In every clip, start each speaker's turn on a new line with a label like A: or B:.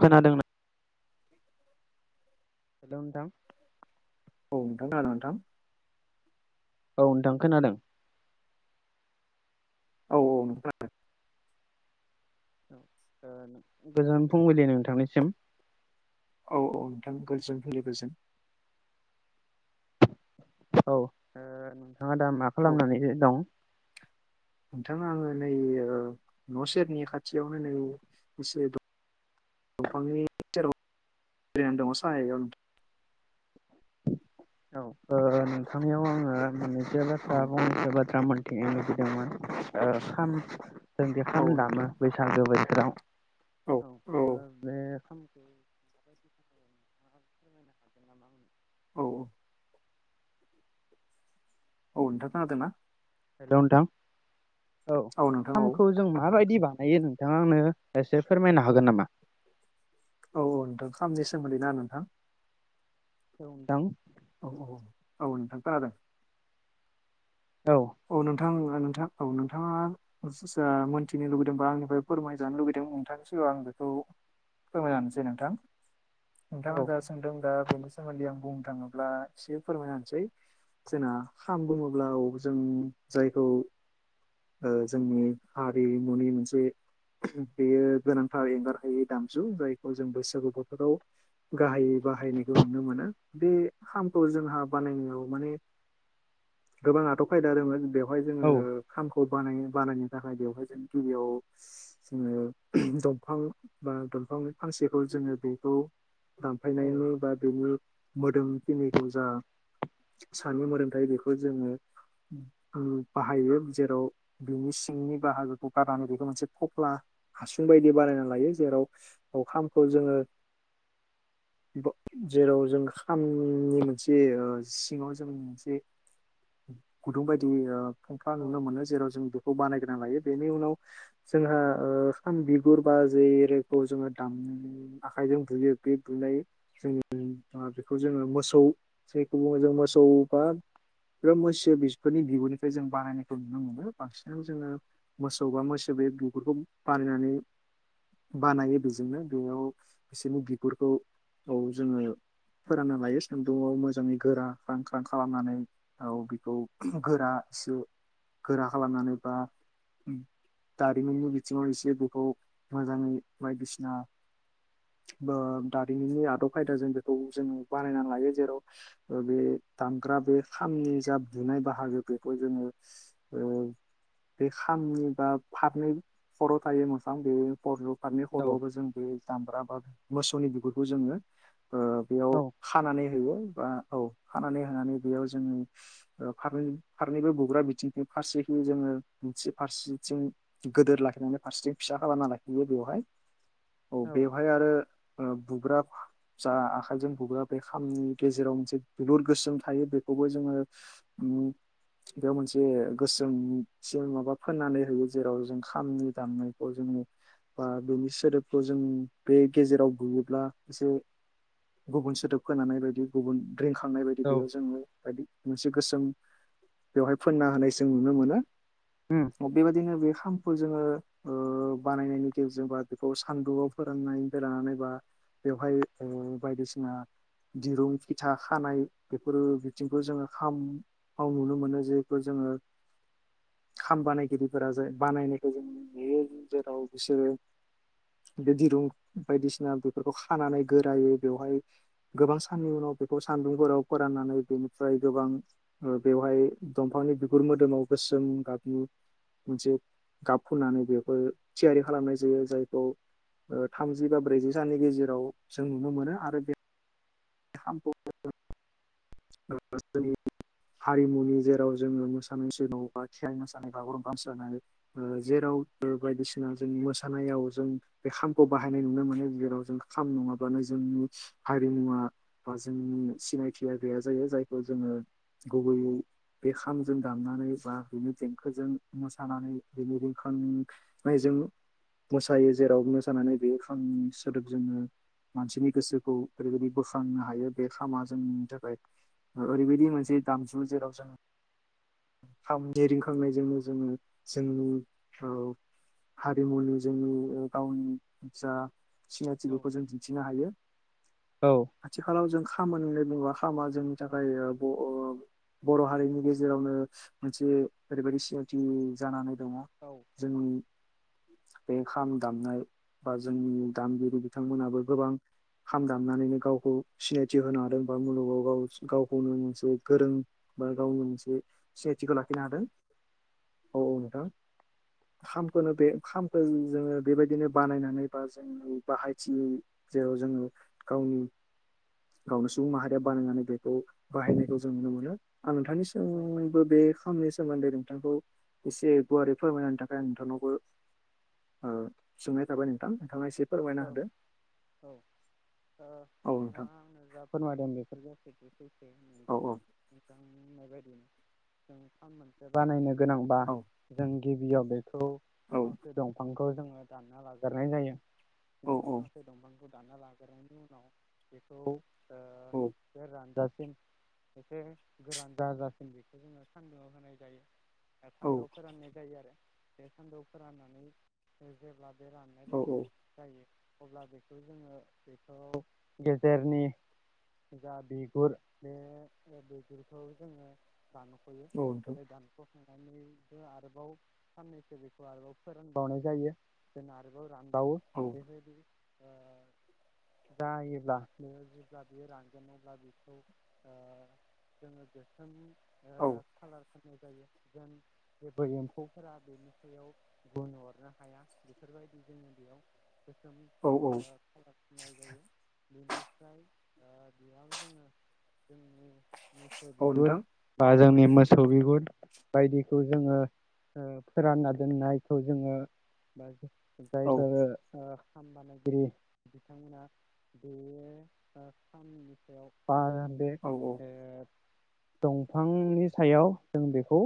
A: खोनादों ना हेलौ नोंथां
B: औ नोंथां खोनादों नोंथां?
A: औ नोंथां खोनादों
B: औ औ नों खोनादों
A: ओ गोजोन फुंबिलि नोंथांनिसिम
B: औ औ नोंथां गोजोन [unintelligible] गोजोन
A: औ [unintelligible] नोंथाङा दा मा खालामनानै दो दं?
B: नोंथाङा आङो नै ओ न' सेरनि खाथियावनो नै एसे दं दंफांनि सेरावनो [unintelligible] दङ' साहायाव
A: औ ओ नोंथांनियाव आङो मोननैसो बाथ्रा
B: औ
A: फंनैसो बाथ्रा मोन थिनो लुबैदोंमोन ओ खाम जों जे
B: औ
A: खाम दामो
B: नोंथां
A: बैसागो बोथोराव औ बे [inaudible]
B: औ औ औ नोंथां खोनादोंना
A: हेल' नोंथां औ
B: नोंथां औ
A: खामखौ जों माबायदिबा हायो नोंथाङा आंनो एसे फोरमायनो हागोन नामा?
B: औ औ नोंथां खामनि सोमोन्दै ना नोंथां
A: औ नोंथां
B: औ औ औ नोंथां खोनादों
A: औ
B: नोंथां नोंथां औ नोंथाङा मोन्थिनो लुबैदोंबा आंनिफ्राय फोरमायजानो लुुबैदों नोंथांनि सि आं बेखौ फोरमायना होसैनोंथां नोंथाङा दा सोंदों दा बेनि सोमोन्दै आं बुं नो थाङोब्ला एसे फोरमायना होसै, जोंना खाम बुङोब्ला औ जों जायखौ ओ जोंनि हारिमुनि मोनसे बेयो गोनांथारि एंगारहायै दामजु जायखौ जों बैसागु बोथोराव गाहायै बाहायनायखौ नुनो मोनो बे खामखौ जोंहा बानायनायाव माने गोबाङाथ' खायदा रोंयो बेवहाय जोङो
A: औ
B: खामखौ बानायो बानायनो थाखाय बेवहाय जों गिबियाव जोङो दंफां बा दफ बांयो फांसेखौ जोङो बेखौ
A: औ औ
B: दानफायनायनि बा बेनि मोदोमखिनिखौ जा सानमु मोनोमथायाइ बेखौ जोङो बाहायो जेराव बिनि सिंनि बाहागोखौ गारनानै बेखौ मोनसे फफ्ला हासुं बायदि बानायना लायो जेराव अखामखौ जोङो
A: [unintelligible]
B: बिब' जेराव जों खामनि मोनसे ओ सिङाव जों मोनसे गुदुं बायदि ओ फंफां
A: औ
B: नुनो मोनो जेराव जों बे बानायगोरना लायो बेनि उनाव जोंहा ओ खाम बिगुर बा जे रैखौ जोङो दाम आखायजों बुयो बे बुनाय जोंनि मा बे खौ जोंयो मोसौ जायखौ बुङो जों मोसौ बा ग्रोमोस थे बिसफोरनि बिगुरनिफ्राय जों बानायनायखौ नुनो मोनो बांसिनाव जोङो मोसौ बा मोसौ बे बिगुरफोरखौ फानायनानै बानायो बेजोंनो बेयाव बिसोरनि बिगुरखौ औ जोङो फोरानना लायो सान्दुंआव मोजाङै गोरा ख्रां ख्रां खालामनानै औ औ गोरा सु गोरा खालामनानै बा दारिमिननि बिथिङाव एसे बेखौ मोजाङै बायदिसिना बो दारिमिननि आदब खायदाजों बेखौ जोङो बानायनानै लायो जेराव ओ बे दामग्रा बे खामनि जा बुनाय बाहागो बेखौ जोङो ओ बे खामनि बा फारनै फर'थायै मसां बे फर' फारनै
A: औ औ
B: खर'आवबो जों बे दामब्रा बा मोसौनि बिगुरखौ जोङो ओ बेयाव खानानै होयो बा औ खानानै होनानै बेयाव जोङो फारनै फारनैबो बुग्रा बिथिंथिं फारसेहि जोङो मोनसे फारसेथिं गोदोर लाख फोरनानै फारसेथिं फिसा खालामना लाखैयो बेवहाय औ बेवहाय आरो ओ बग्राब जा आखाइजों बुग्रा बे खामनि गेजेराव मोनसे दुलुर गोसोम थायो बेखौबो जोङो नु बेयाव मोनसे गोसोमथिसोर माबा फोननानै होयो जेराव जों खामनि दामनायखौ जोंनि बा बेनि सोदोबखौ जों बे गेजेराव गुयोब्ला एसे गुबुन सोदोब खोनानाय बायदि गुबुन रिंखांनाय बायदि बेयाव जोङो बायदि मो गोसोम बेवहाय फोनना होनाय जों नुनो मोनो
A: औ
B: बेबायदिनो बे खाम फो जोङो ओ बानायनायनि गेरजों बा बेखौ सानदुआव फोराननानै लानानै बा बेवहाय ओ बायदिसिना दिरुं फिथा खानाय बेफोरो बिथिंखौ जोङो खाम माव नुनो मोनो जेखो जोङो खाम बानायगिरिफोरा जाय बानायनायखो जों नुयो जेराव बिसोरो बे दिरुं बायदिसिना बेफोरखौ खानानै गोरायो बेवहाय गोबां साननि उनाव बेखौ सान्दुंफोराव फोराननानै बेनिफ्राय गोबां ओ बेवहाय दंफांनि बिगुर मोदोमाव गोसोम गाबनि मोनसे गाब फुनानै बेफोर थियारि खालामनाय जायो जायखौ ओ थामजि बा ब्रैजि साननि गेजेराव जों नुनो मोनो आरो बे [inaudible] हारिमुनि जेराव जोङो मोसानोसै न'बा थिएं मोसानाय बागुरुम्बा मोसानाय ओ जेराव बौद बे बायदिसिना जों मोसानायाव जों बे खामखौ बाहायनाय नुनो मोनो गेराव जों खाम नङाबा जोंनि हारिमुवा बा जोंनि सिनायथिया गैया जायो जायखौ जोङो गुबैयै बे खामजों दामनानै बा बिनो देंखोजों मोसानानै बिनो रिंखा उम माइजों मोसायो जेराव मोसानानै बे खामनि सोदोब जोङो मानसिनि गोसोखौ ओरैबायदि बोख्रांनो हायो बे खामा जोंनि थाखाय ओरैबायदि मोनसे दामजु जेराव जों
A: [inaudible]
B: खामनि रिंखांनायजोंनो जोंनि जोंनि औ हारिमुनि जोंनि ओ गावनि जा सिनायथिफोरखौ जों दिन्थिनो हायो
A: औ ओ
B: आथिखालाव जों खामानिनो बुंबा लामा जोंनि थाखाय बो बर' हारिनि गेजेरावनो मोनसे ओरैबायदि सिनायथि जानानै दङ जोंनि बे खाम दामनाय बा जोंनि दामगिरि बिथांमोनाबो गोबां खाम दामनानैनो गावखौ सिनायथि होनो हादों बा मुलुगाव गाव गावखौनो मोनसे गोरों बा गावनो मोनसे सिनायथिखौ लाखिनो हादों औ औ नोंथां। खामखौनो बे खामखौनो जोङो बेबायदिनो बानायनानै बा जों बाहायथि जेराव जोङो गावनि गावनि सुबुं माहारिया बानायनानै बेखौ बाहायनायखौ जों नुनो मोनो। आं नोंथांनिसिबो बे खामानि सोमोन्दै नोंथांखौ एसे गुवारै फोरमायनायनि थाखाय आं नोंथांनावबो ओ सोंनाय थाबाय नोंथां नोंथाङा एसे फोरमायना
A: औ
B: होदो
A: औ औ नोंथाङा आंनो जा फोरमायदों बेफोर गासिबो सैथो
B: औ
A: नंगौ
B: औ
A: नोंथांनिनाय बायदिनो जों फान मोनसे बानायनो गोनांबा
B: औ
A: जों गिबियाव बेखौ
B: औ
A: फांसे दंफांखौ जों दानना लागोरनाय जायो
B: औ
A: फांसे
B: औ
A: दंफां [unintelligible] एसे गोरान जाजासिम बेखौ जोङो सान्दुंआव होनाय जायो।
B: औ
A: सान्दोआव फोराननाय जायो आरो बे सान्दोआव फोराननानै जेब्ला रान्नाय
B: औ औ
A: बादि अब्ला बेखौ जोङो बेखौ गेजेरनि जा बिगुर बे बिगुरखौ जोङो दान फैयो
B: नोंथां
A: बे दानखौ नानै आरोबाव साननैसो बेखौ आरोबाव फोरानबावनाय जायो जोंनो आरोबाव रान दाव
B: औ
A: ओ जायोब्ला बियो जेब्ला बियो रानगोन अब्ला बेखौ ओ जोङो देरसानदि ओ
B: औ
A: खालार [unintelligible] जायो जेन जेबो एम्फौफोरा बेनि सायाव गुन अरनो हाया बेफोरबायदि जोङो बेयाव गोसोम
B: औ
A: ओ
B: औ
A: खालार फुननाय जायो। बिनिफ्राय बेयाव ओ जोङो जोंनि [unintelligible]
B: औ
A: बिगुर
B: नोंथां
A: बा जोंनि मोसौ बिगुर बायदिखौ जोङो ओ फोरानना दोननायखौ जोङो बा
B: औ
A: जायफोर ओ खाम बानायगिरि बिथांमोना बेयो ओ साननि सायावहा बे
B: औ
A: ओ दंफांनि सायाव जों बेखौ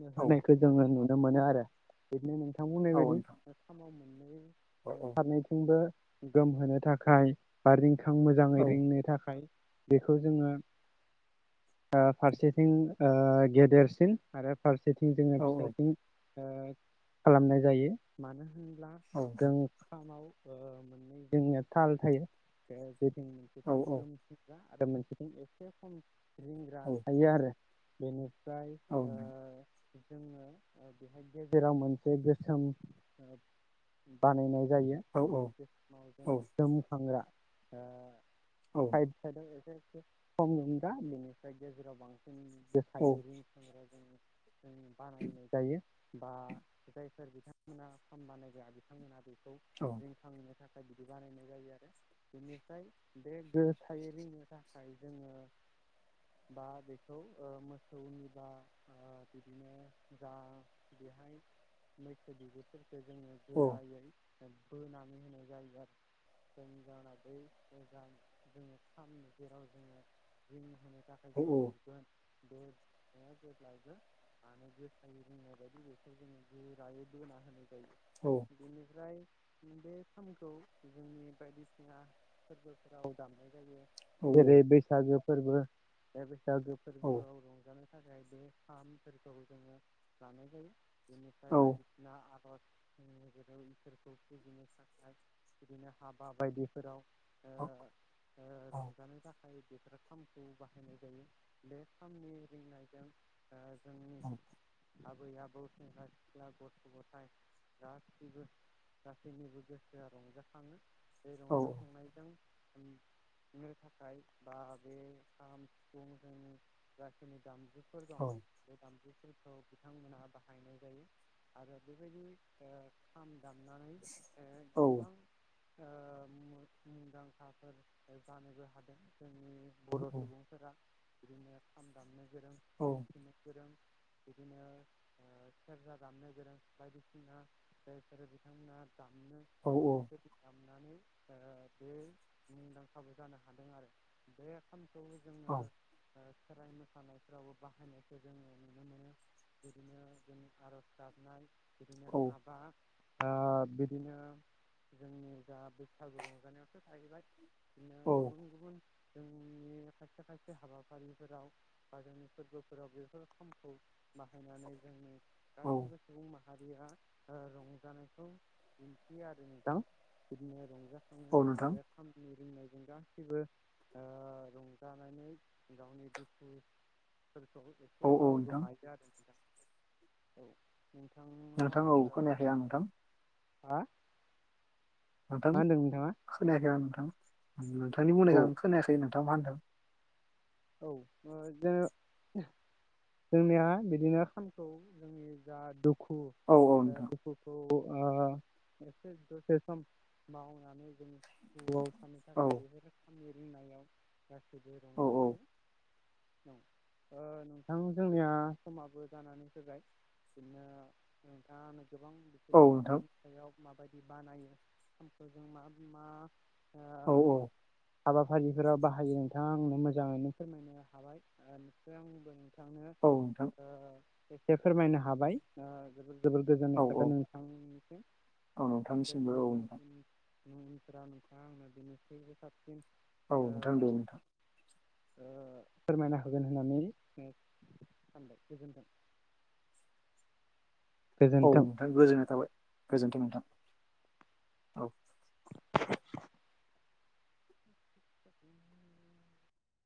A: नो
B: औ
A: होनायखौ जोङो नुनो मोनो आरो बिदिनो बुंनाय
B: औ
A: बायदि
B: नोंथां।
A: खामाव मोननै
B: औ औ
A: फारनैथिंबो गोमहोनो थाखाय बा रिंखां
B: औ नोंथां औ नोंथां औ
A: मोजाङै रिंनो थाखाय बेखौ जोङो ओ फारसेथिं ओ गेदेरसिन आरो फारसे रसेथिं जोङो
B: औ औ
A: फिसासिन खालामनाय ओ जायो मानो होनब्ला
B: औ नोंथां
A: जों खामाव ओ [unintelligible] जोंनिया ताल थायो जदि
B: औ
A: मोनसेथि [unintelligible] आरो मोनसेथिं एसे खम रिंग्रा थायो आरो बेनिफ्राय ओ [unintelligible] गेजेराव मोनसे गोसोम ओ बानायनाय जायो [unintelligible] गोमखांग्रा साइथ साइथ आव [unintelligible] बिनिफ्राय गेजेराव बांसिन [unintelligible] बानायनाय जायो बा जायफोर बिथांमोना खाम बानायग्रा बिथांमोना खौ रिंखांनो थाखाय। बिदि बानायनाय जायो आरो बेनिफ्राय बे गोसायै रिंनो थाखाय जोङो बा बेखौ ओ मोसौनि बा ओ बिदिनो जा बेहाय मैसो बिगुरफोरखौ जोङो गोरायै बोनानै होनाय जायो आरो। [unintelligible] थाखाय जों बुगोन बे [unintelligible] जेल्बायबो माने गोसायै रिंनायबादि बेखौ जोङो गोरायै बोनानै खानाय जायो बेनिफ्राय बे खामखौ जोंनि बायदिसिना फोरबोफोराव दामनाय जायो। जेरै बैसागो फोरबो बे बैसागो फोरबोआव रंजानाय थाखाय बे खामफोरखौ जोङो लानाय जायो बेनिफ्राय बायदिसिना आर'ज जों गेजेराव इसोरखौ फुजिनो थाखाय बिदिनो हाबा बायदिफोराव ओ ओ रंजानो थाखाय खामखौ बाहायनाय जायो बे खामनि रिंनायजों ओ जोंनि
B: औ।
A: आबै आबौ, सेंग्रा सिख्ला, गथ' गथाय गासैबो गासैनिबो गोसोआ रंजाखाङो बे रंजाखांनायजों ओम नो थाखाय बा बे खाम सिफुं जोंनि जाखिनि दामजु फोर दं बे दामजुफोरखौ बिथांमोना बाहायनाय जायो आरो बेबायदि ओ खाम दामनानै ओ गोबां ओ मुं मुंदांखाफोर जानोबो हादों जों जोंनि बर' सुबुंफोरा बिदिनो खाम दामनो गोरों सिफुं सुनो गोरों। बिदिनो ओ सेरजा दामनो गोरों बायदिसिना जायफोरो बिथांमोना दामनो [unintelligible] नानै ओ बे मुंदांखाबो जानो हादों आरो बे खाम खौ जोंओ ओ खेराइ मोसानायफ्रावबो बाहायनायखौ जोङो नुनो मोनो बिदिनो जोंनि आरज गा नाय माबा ओ बिदिनो जोंनि जा बैसागु रंजानायावथ' थाहैबाय बिदिनो गुबुन गुबुन जोंनि खायसे खायसे हाबाफारिफोराव बा जोंनि फोरबोफोराव बेफोर खामखौ बाहायनानै जोंनि गाससिबो सुबुं माहारिया ओ रंजानायखौ दिन्थियो आरो नोथां बिदिनो रंजा बे खामनि जों गासिबो ओ रंजानानै गावनि दुखु खौबो एसे
B: औ नोंथां
A: बावगोमायो आरो नोंथां औ नोंथां
B: नोंथां औ खोनायाखै आं नोंथां।
A: हा? मा
B: नोंथांनि
A: होनदों नोंथाङा
B: खोनायाखै आं नोंथां नोंथांनि
A: औ
B: बुंनायखो आं खोनायाखै नोंथां मा होनदों!
A: औ ओ जोङो जोंनिया बिदिनो खामखौ जोंनि जा दुखु
B: औ औ
A: बे
B: नोंथां
A: दुखुखौ ओ एसे दसे सम बावनानै जों हौआव थानो
B: औ
A: थाखाय बेफोरो खामनो रोंनायाव
B: औ औ
A: दं। ओ नोंथां जोंनिया समाबो जानानै फैबाय बिदिनो नोंथाङा गोबां बिदिनो खामनि
B: नोंथां
A: सायाव माबायदि बानायो खामखौ जों मा मा ओ
B: औ औ।
A: हाबाफारिफोराव बाहायो नोंथाङा आंनो मोजाङैनो फोरमायनो हाबाय इनिफ्राय आंबो बिथांनो ओ
B: औ नोंथां
A: एसे फोरमायनो हाबाय ओ जोबोद जोबोर गोजोननाय
B: औ औ
A: थाबाय नोंथांनिसिम
B: औ नोंथांनिसिमबो औ नोंथां
A: [unintelligible] मिस्रा नोंथाङा आंना बेनोख्रुबो साबसिन
B: औ
A: ओ
B: नोंथां दे नोंथां।
A: ओ फोरमायना होगोन होननानै सानबाय गोजोन्थों। [unintelligible]
B: औ
A: गोजोन्थों।
B: नोंथां गोजोननाय थाबाय गोजोन्थों नोंथां औ।
A: [unintelligible] [unintelligible]